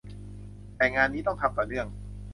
แต่งานนี้ต้องทำต่อเนื่อง